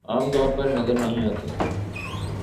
عام طور پر نظر نہیں آتے